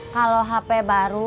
kalau hp baru